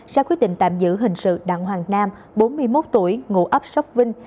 sẽ quyết định tạm giữ hình sự đảng hoàng nam bốn mươi một tuổi ngủ ấp sóc vinh